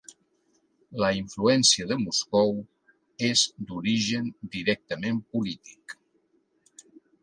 La influència de Moscou és d'origen directament polític.